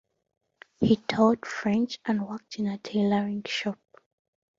He taught French and worked in a tailoring shop.